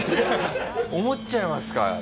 思っちゃいますか？